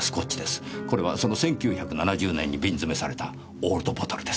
これはその１９７０年に瓶詰めされたオールドボトルです。